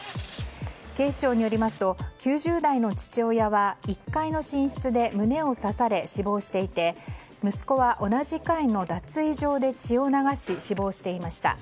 警視庁によりますと９０代の父親は１階の寝室で胸を刺され死亡していて息子は同じ階の脱衣場で血を流し死亡していました。